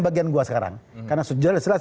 bagian gue sekarang karena sejelas jelas